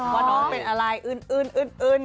ว่าน้องเป็นอะไรอื่น